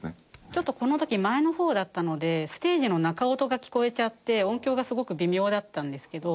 ちょっとこの時前の方だったのでステージの中音が聞こえちゃって音響がすごく微妙だったんですけど。